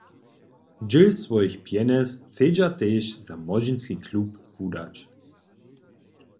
Dźěl swojich pjenjez chcedźa tež za młodźinski klub wudać.